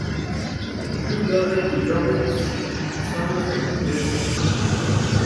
Chuck Lorre y Roberts son los productores ejecutivos.